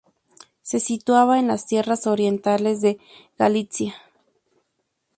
Se situaba en las tierras orientales de Galitzia.